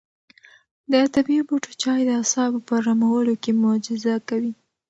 د طبیعي بوټو چای د اعصابو په ارامولو کې معجزه کوي.